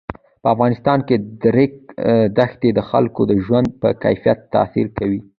په افغانستان کې د ریګ دښتې د خلکو د ژوند په کیفیت تاثیر کوي.